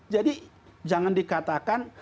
jadi jangan dikatakan